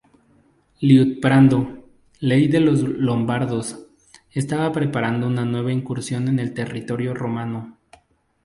Liutprando, rey de los lombardos, estaba preparando una nueva incursión en el territorio romano.